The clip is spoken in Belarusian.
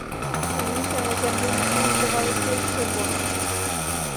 Унізе, на зямлі, людзей здавалася яшчэ больш.